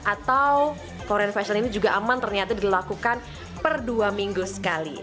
atau korean fashion ini juga aman ternyata dilakukan per dua minggu sekali